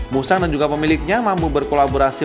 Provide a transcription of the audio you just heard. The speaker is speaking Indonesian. musang dan juga pemiliknya mampu berkolaborasi